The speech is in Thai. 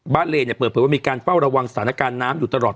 เลเนี่ยเปิดเผยว่ามีการเฝ้าระวังสถานการณ์น้ำอยู่ตลอด